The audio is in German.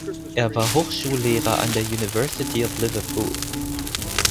Er war Hochschullehrer an der University of Liverpool.